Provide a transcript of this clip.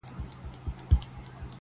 • او پای پوښتنه پرېږدي..